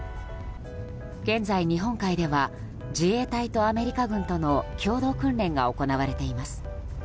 現在、日本海では自衛隊とアメリカ軍との共同訓練が行われています。